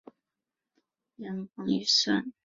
建设所用资金全部来自联邦预算。